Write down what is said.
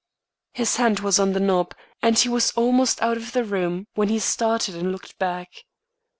His hand was on the knob, and he was almost out of the room when he started and looked back.